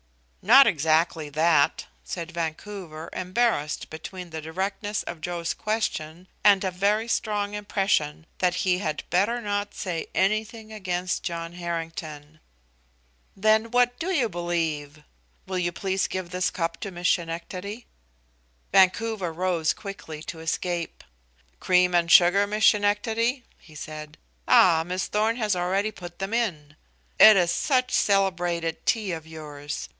"Not exactly that," said Vancouver, embarrassed between the directness of Joe's question and a very strong impression that he had better not say anything against John Harrington. "Then what do you believe? Will you please give this cup to Miss Schenectady?" Vancouver rose quickly to escape. "Cream and sugar, Miss Schenectady?" he said. "Ah, Miss Thorn has already put them in. It is such celebrated tea of yours!